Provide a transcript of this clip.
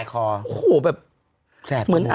ยังไม่ได้ตอบรับหรือเปล่ายังไม่ได้ตอบรับหรือเปล่า